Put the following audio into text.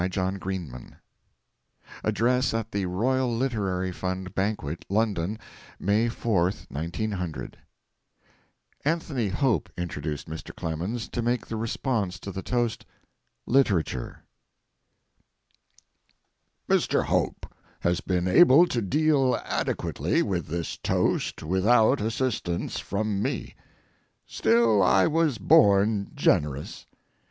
LITERATURE ADDRESS AT THE ROYAL LITERARY FUND BANQUET, LONDON, MAY 4, 1900 Anthony Hope introduced Mr. Clemens to make the response to the toast "Literature." MR. HOPE has been able to deal adequately with this toast without assistance from me. Still, I was born generous.